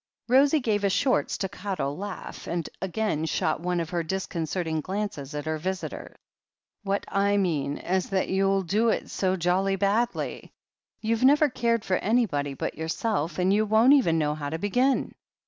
Rosie gave a short, staccato laugh, and again shot one of her disconcerting glances at her visitor. "What / mean is that you'll do it so jolly badly. You've never cared for anybody but yourself, and you won't even know how to begin."